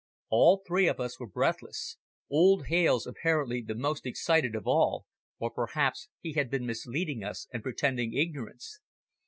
All three of us were breathless old Hales apparently the most excited of all or perhaps, he had been misleading us and pretending ignorance.